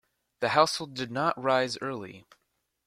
The household did not rise early.